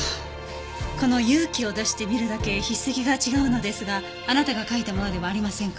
この「勇気を出してみる」だけ筆跡が違うのですがあなたが書いたものではありませんか？